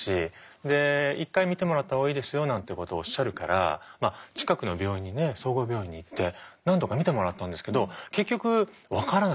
で「一回診てもらったほうがいいですよ」なんてことをおっしゃるからまあ近くの病院にね総合病院に行って何度か診てもらったんですけど結局分からなくて。